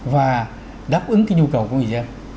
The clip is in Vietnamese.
và đáp ứng cái nhu cầu của người dân